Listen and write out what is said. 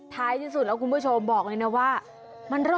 ท้ายที่สุดแล้วคุณผู้ชมบอกเลยนะว่ามันรอด